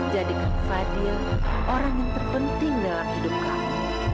jadikan fadil orang yang terpenting dalam hidup kami